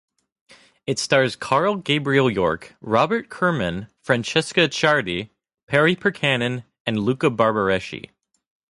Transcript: It stars Carl Gabriel Yorke, Robert Kerman, Francesca Ciardi, Perry Pirkanen, and Luca Barbareschi.